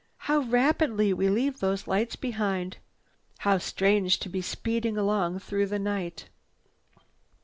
"How rapidly we leave those lights behind! How strange to be speeding along through the night."